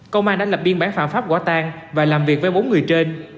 công an đã lập biên bản phạm pháp quả tan và làm việc với bốn người trên